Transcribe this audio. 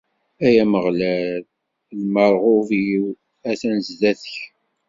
Ay Ameɣlal, lmerɣub-iw a-t-an sdat-k!